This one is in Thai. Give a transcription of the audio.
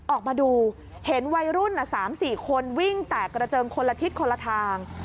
ออกมาดูเห็นวัยรุ่น๓๔คนวิ่งแตกกระเจิงคนละทิศคนละทาง